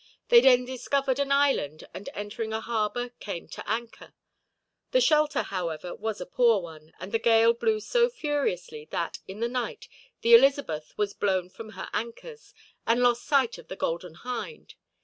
They then discovered an island, and entering a harbor came to anchor. The shelter, however, was a poor one, and the gale blew so furiously that, in the night, the Elizabeth was blown from her anchors, and lost sight of the Golden Hind.